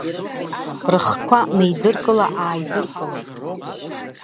Рыхқәа неидыркылаааидыркылеит.